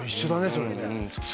それね